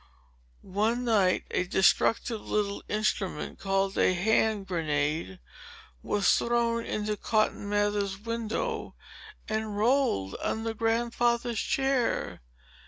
One night, a destructive little instrument, called a hand grenade, was thrown into Cotton Mather's window, and rolled under Grandfather's chair.